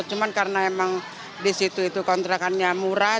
cuma karena emang di situ itu kontrakannya murah